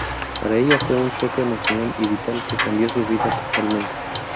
Para ella fue un choque emocional y vital que cambió su vida totalmente.